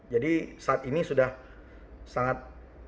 jadi saat ini sudah sangat